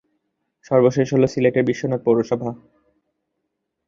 সর্বশেষ হলো সিলেটের বিশ্বনাথ পৌরসভা।